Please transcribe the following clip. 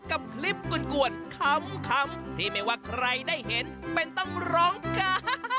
กับคลิปกลวนขำที่ไม่ว่าใครได้เห็นเป็นต้องร้องกะ